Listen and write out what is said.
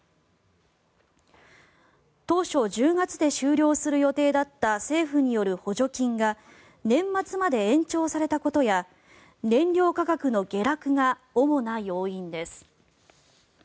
当初１０月で終了する予定だった政府による補助金が年末まで延長されたことや燃料価格の下落が主な要因です。